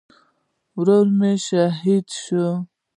ورور مې شهید شو